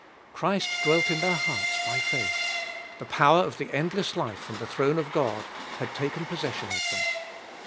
Christ dwelt in their hearts by faith. The power of the endless life from the throne of God had taken possession of them.